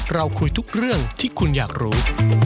เราคุยทุกเรื่องที่คุณอยากรู้